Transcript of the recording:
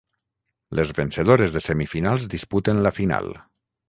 Les vencedores de semifinals disputen la final.